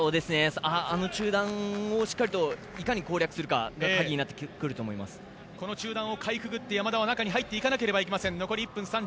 あの中段をしっかりといかに攻略するかがこの中段をかいくぐって山田は中に入っていかなければいけません。